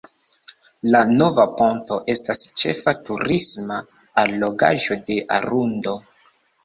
La "Nova Ponto" estas ĉefa turisma allogaĵo de Arundo.